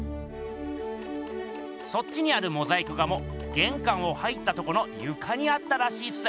そっちにあるモザイク画もげんかんを入ったとこのゆかにあったらしいっす。